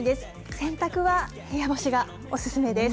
洗濯は部屋干しがお勧めです。